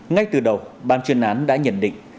ngay từ đầu ban chuyên án đã nhận định